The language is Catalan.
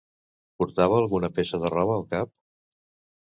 Portava alguna peça de roba al cap?